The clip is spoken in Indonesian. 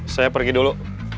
saya pergi dulu